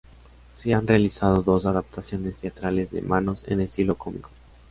Se han realizado dos adaptaciones teatrales de "Manos" en estilo cómico.